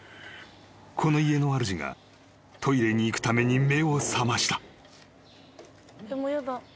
［この家のあるじがトイレに行くために目を覚ました］